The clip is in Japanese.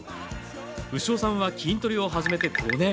牛尾さんは筋トレを始めて５年。